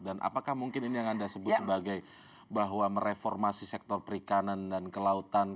dan apakah mungkin ini yang anda sebut sebagai bahwa mereformasi sektor perikanan dan kelautan